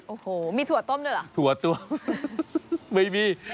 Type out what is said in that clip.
โอ้โหมีถั่วต้มด้วยเหรอถั่วต้มไม่มี